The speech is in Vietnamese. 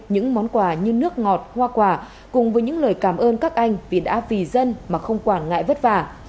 những món quà như nước ngọt hoa quả cùng với những lời cảm ơn các anh vì đã vì dân mà không quản ngại vất vả